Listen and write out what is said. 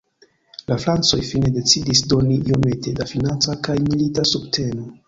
La francoj fine decidis doni iomete da financa kaj milita subteno.